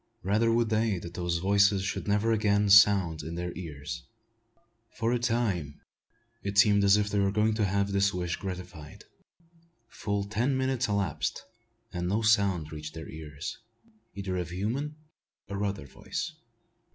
Rather would they that those voices should never again sound in their ears. For a time it seemed us if they were going to have this wish gratified. Full ten minutes elapsed, and no sound reached their ears, either of human or other voice.